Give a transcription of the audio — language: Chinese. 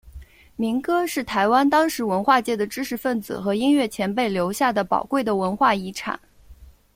民歌是台湾当时文化界的知识份子和音乐前辈留下的宝贵的文化遗产。